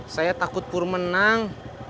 saya takut pur menang